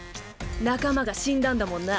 仲間が死んだんだもんな。